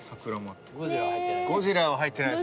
ゴジラは入ってないの？